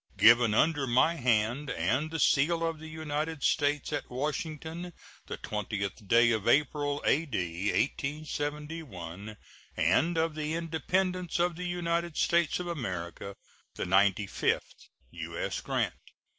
] Given under my hand and the seal of the United States, at Washington, the 20th day of April, A.D. 1871, and of the Independence of the United States of America the ninety fifth. U.S. GRANT.